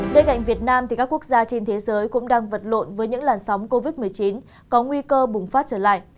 đến ngạnh việt nam các quốc gia trên thế giới cũng đang vật lộn với những làn sóng covid một mươi chín có nguy cơ bùng phát trở lại